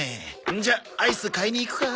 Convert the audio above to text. じゃあアイス買いに行くか？